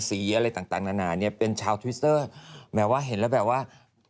อะไรต่างนานาเนี่ยเป็นชาวทวิสเตอร์แบบว่าเห็นแล้วแบบว่า